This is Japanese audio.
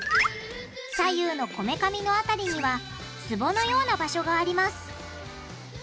左右のこめかみの辺りにはツボのような場所があります。